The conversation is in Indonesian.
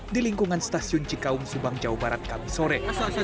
di lingkungan stasiun cikaung subang jawa barat kami sore